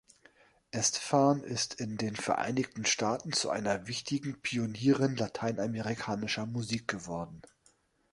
Estefan ist in den Vereinigten Staaten zu einer wichtigen Pionierin lateinamerikanischer Musik geworden.